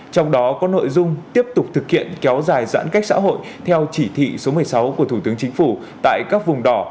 trong đó có nội dung tiếp tục thực hiện kéo dài giãn cách xã hội theo chỉ thị số một mươi sáu của thủ tướng chính phủ tại các vùng đỏ